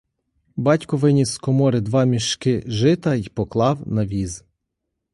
Батько виніс з комори два мішки жита й поклав на віз.